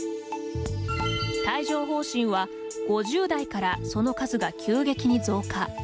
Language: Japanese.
帯状ほう疹は５０代からその数が急激に増加。